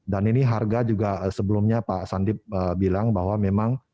ini harga juga sebelumnya pak sandi bilang bahwa memang